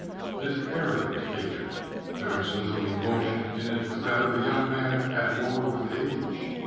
It is arrogant hatred. There is little emotion in it but that of a young man at war with age.